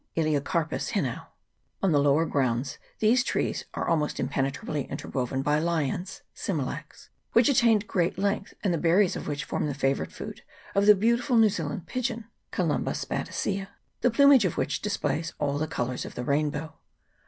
5 On the lower grounds these trees are almost impenetrably inter woven by liands (smilax), which attain great length, and the berries of which form the favourite food of the beautiful New Zealand pigeon, 6 the plumage of which displays all the colours of the rainbow.